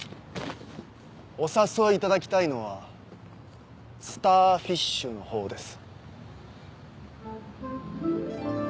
お誘いいただきたいのはスターフィッシュのほうです。